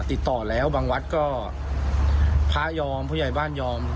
ติดต่อแล้วบางวัดก็พระยอมผู้ใหญ่บ้านยอม